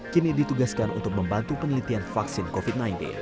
kini ditugaskan untuk membantu penelitian vaksin covid sembilan belas